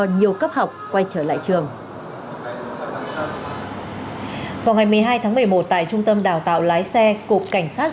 nhiều cấp học quay trở lại trường vào ngày một mươi hai tháng một mươi một tại trung tâm đào tạo lái xe cục cảnh sát